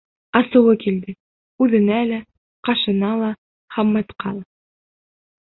-Асыуы килде: үҙенә лә, ҡашына ла, Хамматҡа ла.